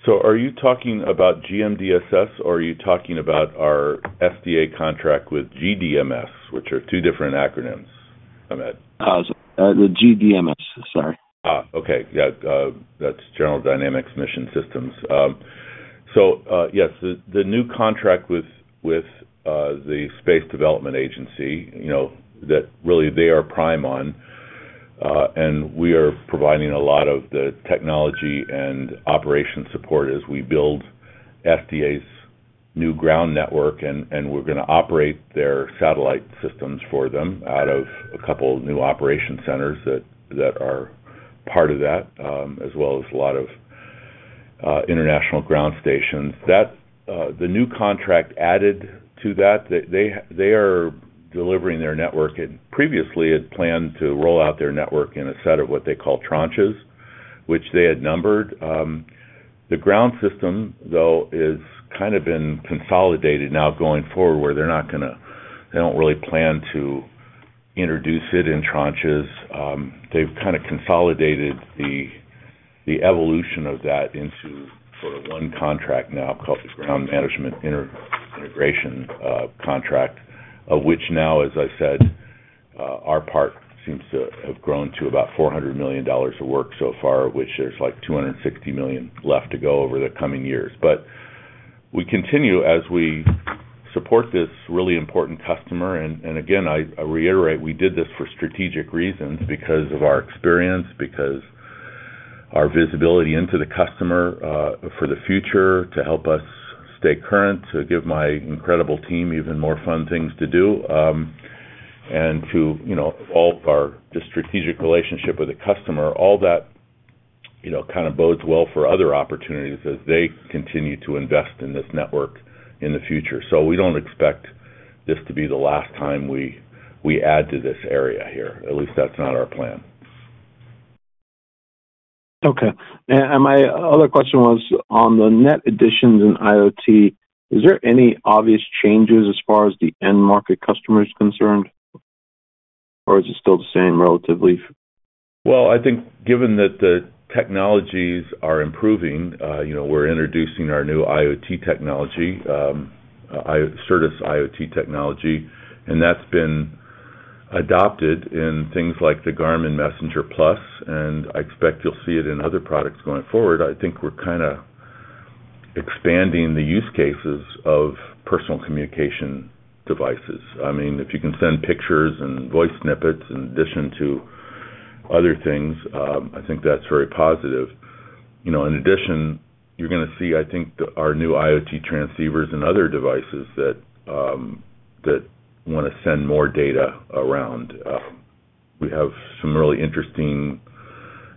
So are you talking about GMDSS, or are you talking about our SDA contract with GDMS, which are two different acronyms, I meant? The GDMS, sorry. Ah, okay. Yeah, that's General Dynamics Mission Systems. So, yes, the new contract with the Space Development Agency, you know, that really they are prime on, and we are providing a lot of the technology and operation support as we build SDA's new ground network, and we're gonna operate their satellite systems for them out of a couple of new operation centers that are part of that, as well as a lot of international ground stations. That, the new contract added to that. They are delivering their network and previously had planned to roll out their network in a set of what they call tranches, which they had numbered. The ground system, though, is kind of been consolidated now going forward, where they're not gonna. They don't really plan to introduce it in tranches. They've kinda consolidated the evolution of that into sort of one contract now called the Ground Management Integration Contract, which now, as I said, our part seems to have grown to about $400 million of work so far, which there's, like, $260 million left to go over the coming years. But we continue as we support this really important customer, and again, I reiterate, we did this for strategic reasons, because of our experience, because our visibility into the customer, for the future, to help us stay current, to give my incredible team even more fun things to do, and to, you know, all of the strategic relationship with the customer. All that, you know, kind of bodes well for other opportunities as they continue to invest in this network in the future. So we don't expect this to be the last time we add to this area here. At least that's not our plan. Okay. And my other question was: On the net additions in IoT, is there any obvious changes as far as the end market customer is concerned, or is it still the same relatively? Well, I think given that the technologies are improving, you know, we're introducing our new IoT technology, Iridium Certus IoT technology, and that's been adopted in things like the Garmin inReach Messenger Plus, and I expect you'll see it in other products going forward. I think we're kinda expanding the use cases of personal communication devices. I mean, if you can send pictures and voice snippets in addition to other things, I think that's very positive. You know, in addition, you're gonna see, I think, the, our new IoT transceivers and other devices that, that wanna send more data around. We have some really interesting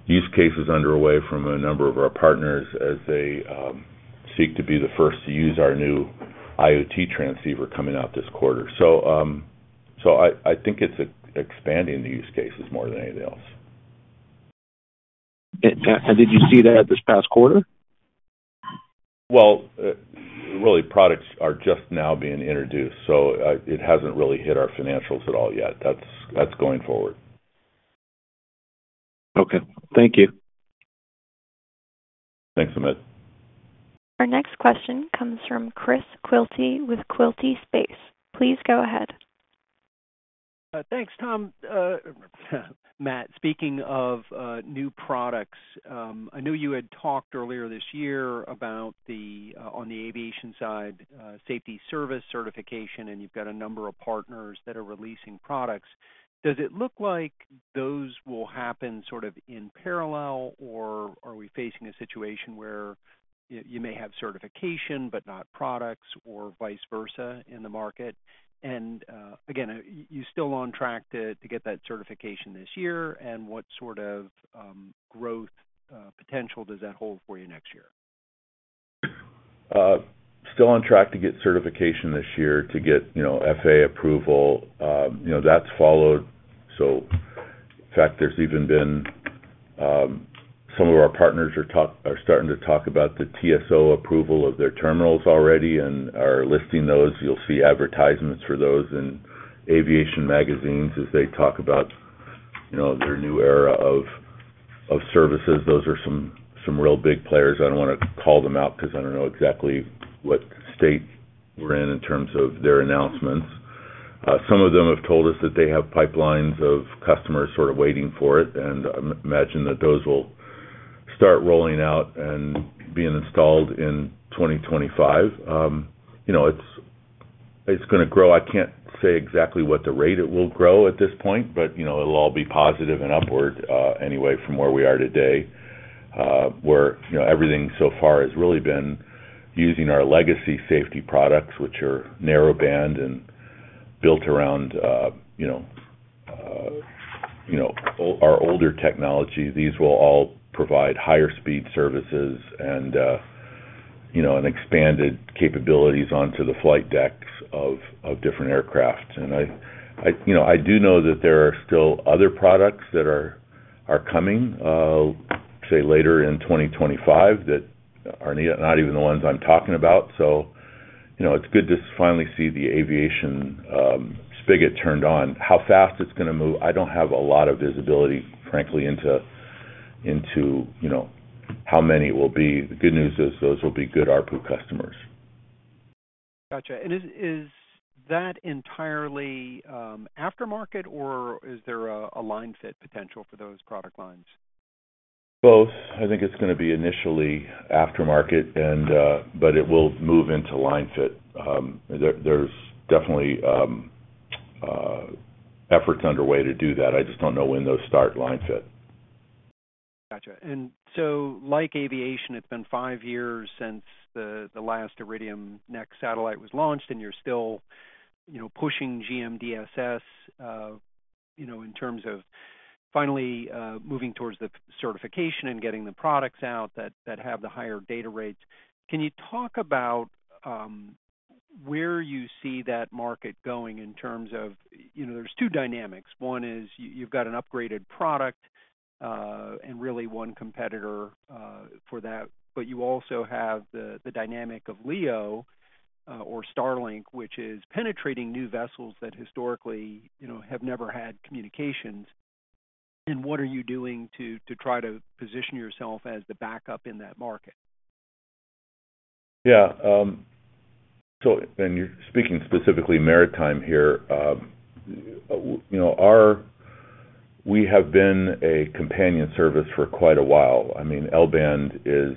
use cases underway from a number of our partners as they, seek to be the first to use our new IoT transceiver coming out this quarter. I think it's expanding the use cases more than anything else. Did you see that this past quarter? Really, products are just now being introduced, so it hasn't really hit our financials at all yet. That's going forward. Okay. Thank you. Thanks, Hamed. Our next question comes from Chris Quilty with Quilty Space. Please go ahead. Thanks, Tom, Matt. Speaking of new products, I know you had talked earlier this year about the on the aviation side safety service certification, and you've got a number of partners that are releasing products. Does it look like those will happen sort of in parallel, or are we facing a situation where you may have certification but not products or vice versa in the market? And again, are you still on track to get that certification this year, and what sort of growth potential does that hold for you next year? Still on track to get certification this year, to get, you know, FAA approval. You know, that's followed, so. In fact, there's even been some of our partners are starting to talk about the TSO approval of their terminals already and are listing those. You'll see advertisements for those in aviation magazines as they talk about, you know, their new era of services, those are some real big players. I don't wanna call them out because I don't know exactly what state we're in terms of their announcements. Some of them have told us that they have pipelines of customers sort of waiting for it, and I imagine that those will start rolling out and being installed in 2025. You know, it's gonna grow. I can't say exactly what the rate it will grow at this point, but, you know, it'll all be positive and upward, anyway, from where we are today, where, you know, everything so far has really been using our legacy safety products, which are narrowband and built around, you know, our older technology. These will all provide higher speed services and, you know, an expanded capabilities onto the flight decks of different aircraft. And I, you know, I do know that there are still other products that are coming, say, later in 2025, that are not even the ones I'm talking about. So, you know, it's good to finally see the aviation spigot turned on. How fast it's gonna move, I don't have a lot of visibility, frankly, into, you know, how many it will be. The good news is those will be good ARPU customers. Gotcha. And is that entirely aftermarket, or is there a line-fit potential for those product lines? Both. I think it's gonna be initially aftermarket, and, but it will move into line-fit. There's definitely efforts underway to do that. I just don't know when those start line-fit. Gotcha. And so like aviation, it's been five years since the last Iridium NEXT satellite was launched, and you're still, you know, pushing GMDSS, you know, in terms of finally moving towards the certification and getting the products out that have the higher data rates. Can you talk about where you see that market going in terms of... You know, there's two dynamics. One is you've got an upgraded product, and really one competitor for that, but you also have the dynamic of LEO or Starlink, which is penetrating new vessels that historically, you know, have never had communications. And what are you doing to try to position yourself as the backup in that market? Yeah, so then you're speaking specifically maritime here. You know, we have been a companion service for quite a while. I mean, L-band is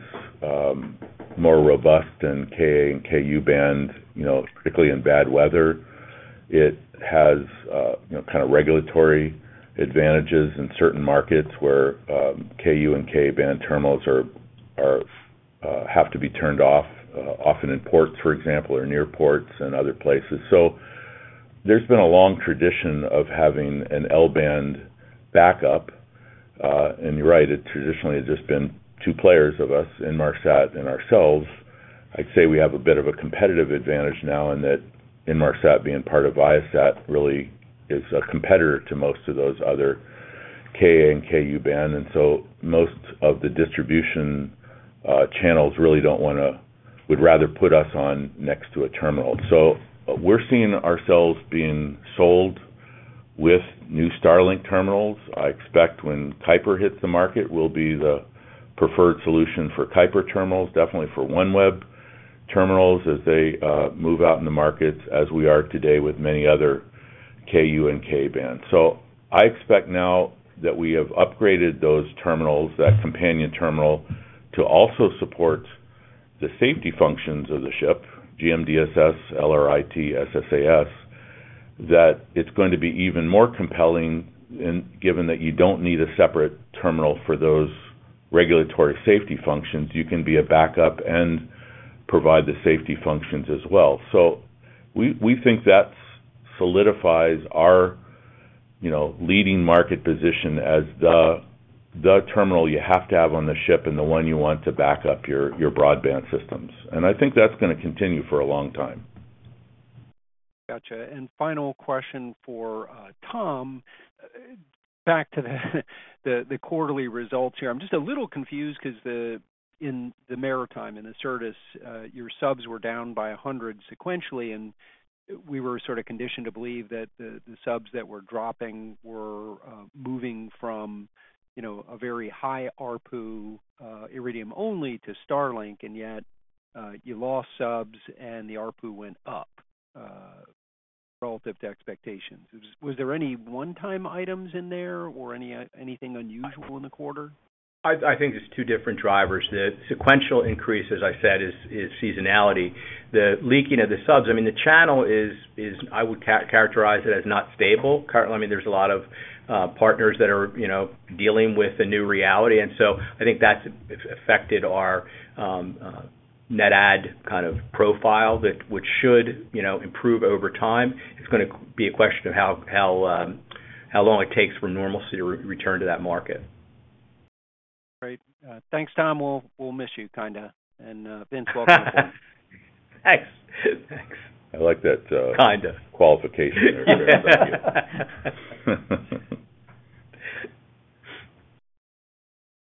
more robust than Ka and Ku-band, you know, particularly in bad weather. It has you know, kind of regulatory advantages in certain markets where Ku and Ka-band terminals have to be turned off often in ports, for example, or near ports and other places. So there's been a long tradition of having an L-band backup. And you're right, it traditionally has just been two players of us, Inmarsat and ourselves. I'd say we have a bit of a competitive advantage now in that Inmarsat, being part of Viasat, really is a competitor to most of those other Ka and Ku-band, and so most of the distribution channels really would rather put us on next to a terminal. So we're seeing ourselves being sold with new Starlink terminals. I expect when Kuiper hits the market, we'll be the preferred solution for Kuiper terminals, definitely for OneWeb terminals as they move out in the markets, as we are today with many other Ku and Ka-band. So I expect now that we have upgraded those terminals, that companion terminal, to also support the safety functions of the ship, GMDSS, LRIT, SSAS, that it's going to be even more compelling, and given that you don't need a separate terminal for those regulatory safety functions, you can be a backup and provide the safety functions as well. So we think that solidifies our, you know, leading market position as the terminal you have to have on the ship and the one you want to back up your broadband systems. And I think that's gonna continue for a long time. Gotcha. And final question for Tom. Back to the quarterly results here. I'm just a little confused because the, in the maritime, in Certus, your subs were down by 100 sequentially, and we were sort of conditioned to believe that the subs that were dropping were moving from, you know, a very high ARPU, Iridium-only to Starlink, and yet you lost subs, and the ARPU went up relative to expectations. Was there any one-time items in there or anything unusual in the quarter? I think there's two different drivers. The sequential increase, as I said, is seasonality. The leaking of the subs, I mean, the channel is... I would characterize it as not stable. Currently, I mean, there's a lot of partners that are, you know, dealing with the new reality, and so I think that's affected our net add kind of profile that, which should, you know, improve over time. It's gonna be a question of how long it takes for normalcy to return to that market. Great. Thanks, Tom. We'll miss you, kind of, and, Vince, welcome. Thanks. Thanks. I like that. Kind of... qualification there.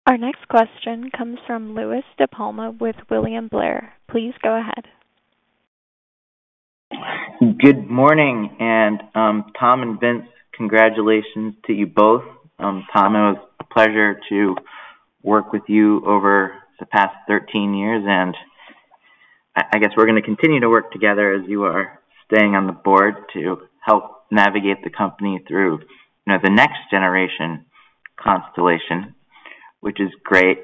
Our next question comes from Louie DiPalma with William Blair. Please go ahead. Good morning, and, Tom and Vince, congratulations to you both. Tom, it was a pleasure to work with you over the past thirteen years, and I, I guess we're gonna continue to work together as you are staying on the board to help navigate the company through, you know, the next generation constellation, which is great.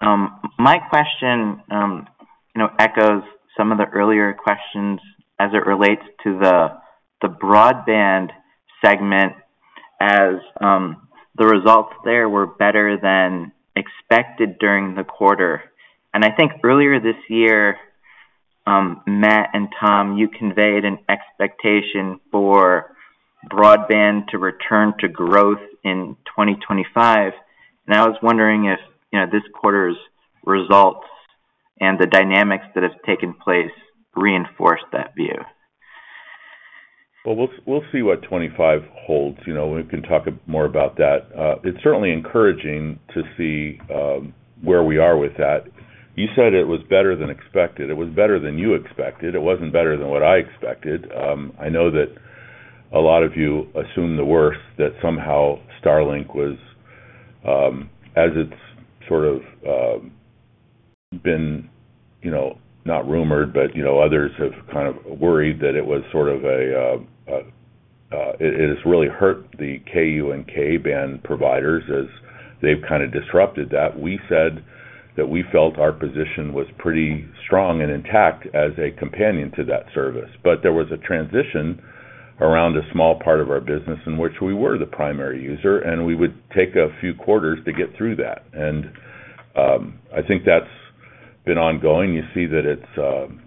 My question, you know, echoes some of the earlier questions as it relates to the, the broadband segment, as, the results there were better than expected during the quarter. And I think earlier this year, Matt and Tom, you conveyed an expectation for broadband to return to growth in 2025, and I was wondering if, you know, this quarter's results and the dynamics that have taken place reinforced that view. We'll see what 2025 holds. You know, we can talk more about that. It's certainly encouraging to see where we are with that. You said it was better than expected. It was better than you expected. It wasn't better than what I expected. I know that a lot of you assume the worst, that somehow Starlink was. As it's sort of been, you know, not rumored, but, you know, others have kind of worried that it was sort of a, it has really hurt the Ku- and Ka-band providers as they've kind of disrupted that. We said that we felt our position was pretty strong and intact as a companion to that service, but there was a transition around a small part of our business in which we were the primary user, and we would take a few quarters to get through that. And, I think that's been ongoing. You see that it's,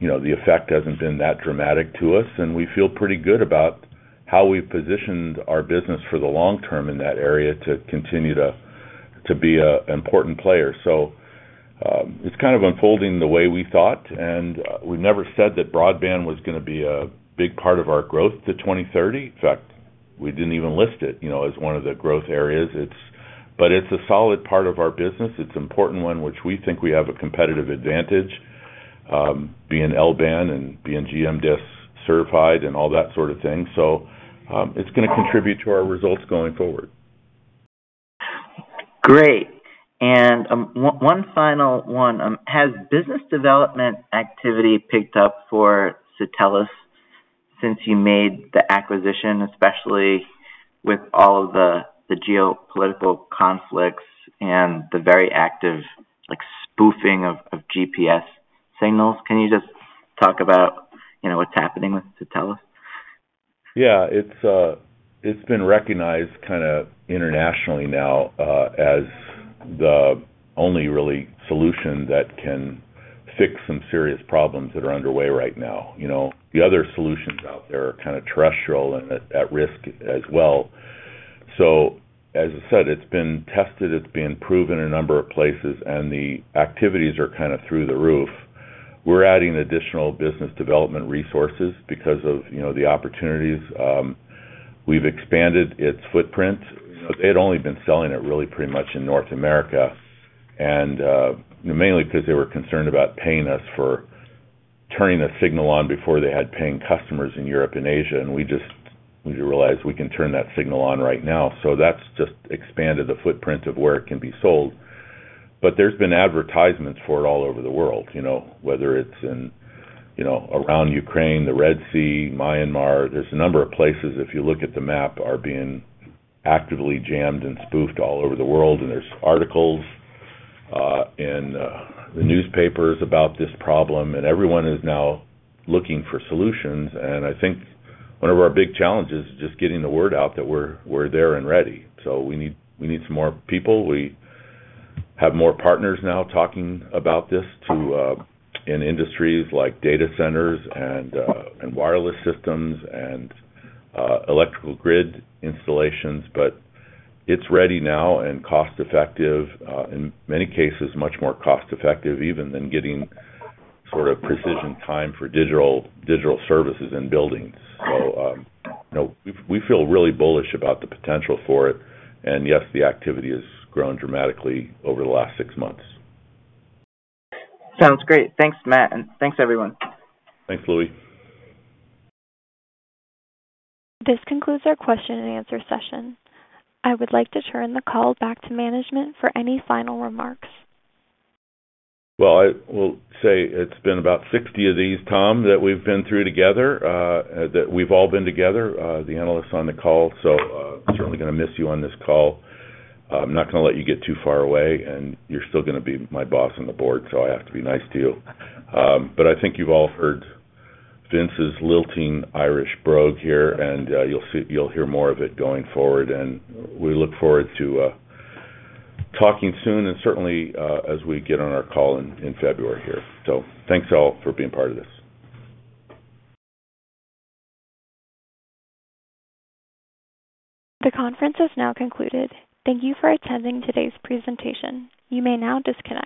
you know, the effect hasn't been that dramatic to us, and we feel pretty good about how we've positioned our business for the long term in that area to continue to be an important player. So, it's kind of unfolding the way we thought, and we've never said that broadband was gonna be a big part of our growth to 2030. In fact, we didn't even list it, you know, as one of the growth areas. It's. But it's a solid part of our business. It's an important one, which we think we have a competitive advantage, being L-band and being GMDSS certified and all that sort of thing. So, it's gonna contribute to our results going forward. Great. One final one. Has business development activity picked up for Satelles since you made the acquisition, especially with all of the geopolitical conflicts and the very active, like, spoofing of GPS signals? Can you just talk about, you know, what's happening with Satelles? Yeah, it's, it's been recognized kind of internationally now, as the only really solution that can fix some serious problems that are underway right now. You know, the other solutions out there are kind of terrestrial and at risk as well. So as I said, it's been tested, it's been proven in a number of places, and the activities are kind of through the roof. We're adding additional business development resources because of, you know, the opportunities. We've expanded its footprint. They'd only been selling it really pretty much in North America, and mainly because they were concerned about paying us for turning the signal on before they had paying customers in Europe and Asia, and we just, we realized we can turn that signal on right now. So that's just expanded the footprint of where it can be sold. But there's been advertisements for it all over the world, you know, whether it's in, you know, around Ukraine, the Red Sea, Myanmar. There's a number of places, if you look at the map, are being actively jammed and spoofed all over the world, and there's articles in the newspapers about this problem, and everyone is now looking for solutions. And I think one of our big challenges is just getting the word out that we're there and ready. So we need some more people. We have more partners now talking about this in industries like data centers and wireless systems and electrical grid installations, but it's ready now and cost-effective in many cases, much more cost-effective even than getting sort of precision time for digital services and buildings. So, you know, we feel really bullish about the potential for it, and yes, the activity has grown dramatically over the last six months. Sounds great. Thanks, Matt, and thanks, everyone. Thanks, Louie. This concludes our question and answer session. I would like to turn the call back to management for any final remarks. I will say it's been about 60 of these, Tom, that we've been through together, that we've all been together, the analysts on the call, so certainly gonna miss you on this call. I'm not gonna let you get too far away, and you're still gonna be my boss on the board, so I have to be nice to you. But I think you've all heard Vince's lilting Irish brogue here, and you'll hear more of it going forward, and we look forward to talking soon and certainly as we get on our call in February here. Thanks, all, for being part of this. The conference has now concluded. Thank you for attending today's presentation. You may now disconnect.